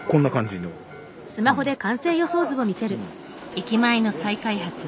駅前の再開発。